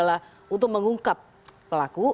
adalah untuk mengungkap pelaku